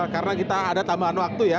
karena kita ada tambahan waktu ya